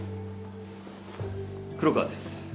黒川です。